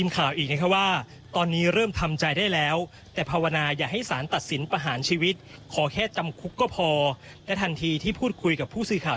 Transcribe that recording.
ขอบคุณครับ